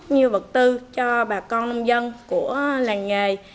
như vật tư cho bà con nông dân của làng nghề